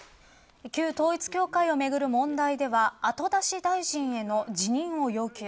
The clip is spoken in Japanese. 旧統一教会をめぐる問題ではあと出し大臣への辞任を要求。